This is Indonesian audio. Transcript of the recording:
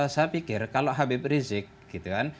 saya pikir kalau habib rizik gitu kan